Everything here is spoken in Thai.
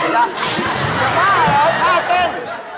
อย่าบ้าหรือบ้าเต้น